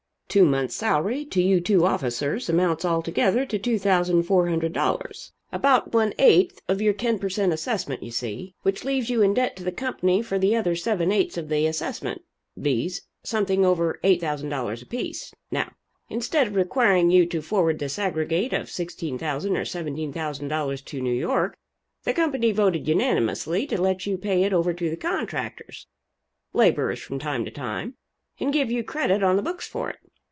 Two months salary to you two officers amounts altogether to $2,400 about one eighth of your ten per cent. assessment, you see; which leaves you in debt to the company for the other seven eighths of the assessment viz, something over $8,000 apiece. Now instead of requiring you to forward this aggregate of $16,000 or $17,000 to New York, the company voted unanimously to let you pay it over to the contractors, laborers from time to time, and give you credit on the books for it.